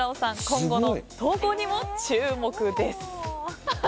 今後の投稿にも注目です。